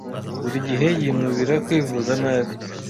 Buri gihe yinubira kwivuza nabi.